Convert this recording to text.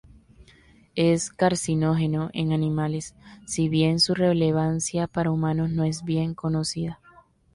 Es carcinógeno en animales, si bien su relevancia para humanos no es bien conocida.